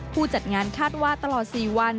ผู้จัดงานคาดว่าตลอด๔วัน